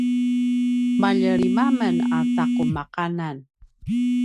malje lima men a taqumaqanan